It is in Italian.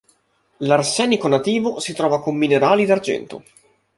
L'arsenico nativo si trova con minerali d'argento.